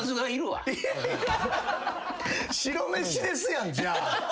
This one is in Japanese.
白飯ですやんじゃあ。